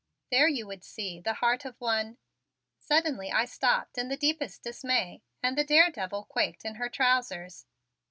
"There you would see the heart of one " Suddenly I stopped in the deepest dismay and the daredevil quaked in her trousers.